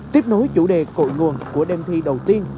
tiếp nối chủ đề cội nguồn của đêm thi đầu tiên